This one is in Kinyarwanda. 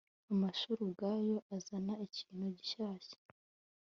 amashuri ubwayo azana ikintu gishyashya